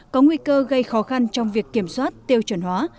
có nguy cơ gây khó khăn trong việc kiểm soát tiêu chuẩn hóa